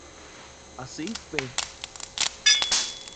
Así, p.